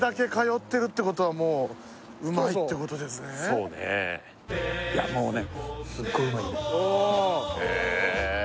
もうそうねいやもうね